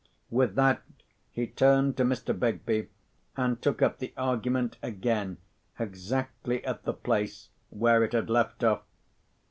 With that he turned to Mr. Begbie, and took up the argument again exactly at the place where it had left off.